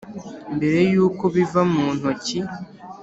mbere yuko biva mu ntoki.